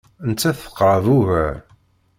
Nettat teqreb ugar.